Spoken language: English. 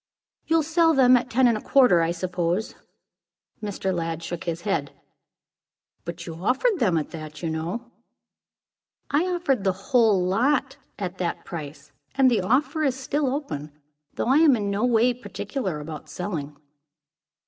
"You'll sell them at ten and a quarter, I suppose?" Mr. Lladd shook his head. "But you offered them at that, you know." "I offered the whole lot at that price, and the offer is still open; though I am in no way particular about selling."